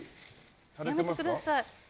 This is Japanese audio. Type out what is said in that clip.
やめてください。